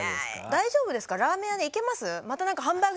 大丈夫ですか？